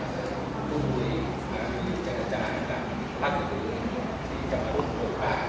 กุ้งบุยหรือเจรจาหรือพระธุรกิจที่จะมารุ่นโปรดปาก